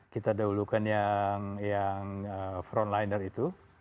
kita dahulukan yang frontliner itu